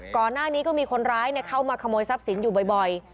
ก่อนหน้านี้ก็มีคนร้ายเข้ามาขโมยทรัพย์สินอยู่บ่อย